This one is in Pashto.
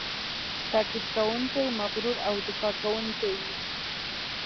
تاکید کوونکی، مغرور او دفاع کوونکی وي.